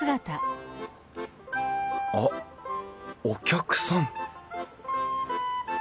あっお客さん